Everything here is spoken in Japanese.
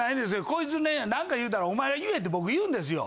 コイツね何か言うたらお前が言えって僕言うんですよ。